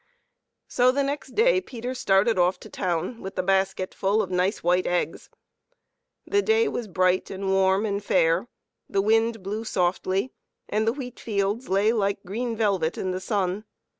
So the next day Peter started off to the town, with the basket full of nice white eggs. The day was bright and warm and fair; the wind blew softly, and the wheat fields lay like green velvet in the sun.